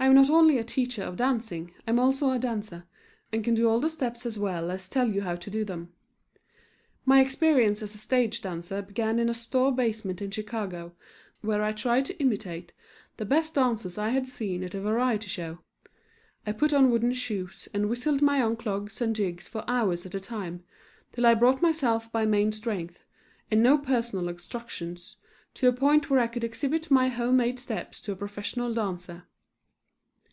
I am not only a teacher of dancing, I am also a dancer, and can do all the steps as well as tell you how to do them. My experience as a stage dancer began in a store basement in Chicago, where I tried to imitate the best dancers I had seen at a Variety show. I put on wooden shoes and whistled my own clogs and jigs for hours at a time, till I brought myself by main strength, and no personal instruction, to a point where I could exhibit my home made steps to a professional dancer.